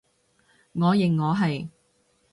我認我係